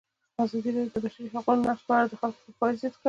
ازادي راډیو د د بشري حقونو نقض په اړه د خلکو پوهاوی زیات کړی.